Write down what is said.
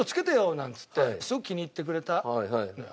なんつってすごく気に入ってくれたのよ。